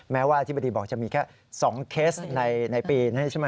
แม้ว่าอธิบดีบอกจะมีแค่๒เคสในปีนี้ใช่ไหม